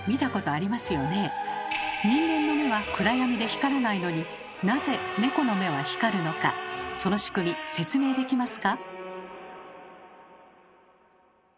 人間の目は暗闇で光らないのになぜネコの目は光るのかその仕組み説明できますか？